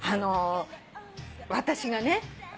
「私がね」